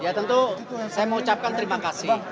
ya tentu saya mengucapkan terima kasih